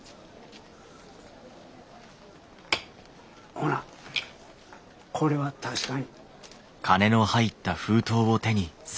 ほなこれは確かに。